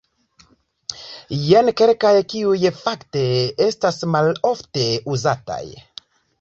Jen kelkaj, kiuj fakte estas malofte uzataj.